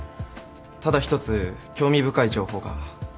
ただ１つ興味深い情報が。